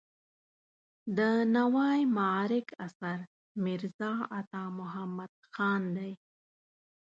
د نوای معارک اثر میرزا عطا محمد خان دی.